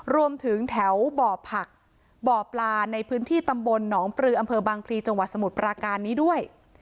รวมถึงแถวบ่อผักบ่อปลาในพื้นที่ตำบลหนองปลืออำเภอบางพลีจังหวัดสมุทรปราการนี้ด้วย